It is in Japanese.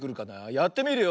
やってみるよ。